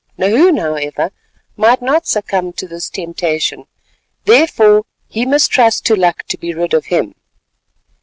Nahoon, however, might not succumb to this temptation; therefore he must trust to luck to be rid of him.